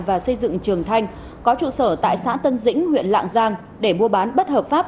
và xây dựng trường thanh có trụ sở tại xã tân dĩnh huyện lạng giang để mua bán bất hợp pháp